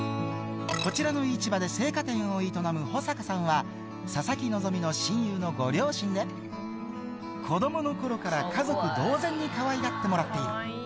こちらの市場で青果店を営む保坂さんは、佐々木希の親友のご両親で、子どものころから家族同然にかわいがってもらっている。